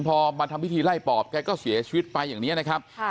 พอมาทำพิธีไล่ปอบแกก็เสียชีวิตไปอย่างนี้นะครับ